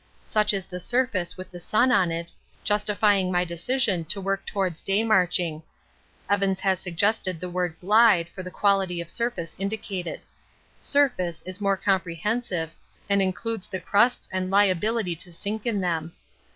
Such is the surface with the sun on it, justifying my decision to work towards day marching. Evans has suggested the word 'glide' for the quality of surface indicated. 'Surface' is more comprehensive, and includes the crusts and liability to sink in them.